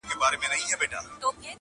• زما لا مغروره ککرۍ دروېزه نه قبلوي -